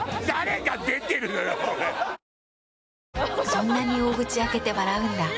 そんなに大口開けて笑うんだ。